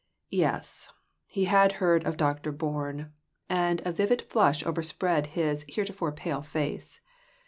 Yes, he had heard of Dr. Bourne, and a vivid flush overspread his here tofore pale face.